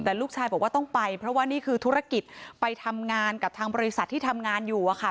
แต่ลูกชายบอกว่าต้องไปเพราะว่านี่คือธุรกิจไปทำงานกับทางบริษัทที่ทำงานอยู่อะค่ะ